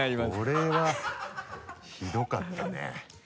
これは。ひどかったね。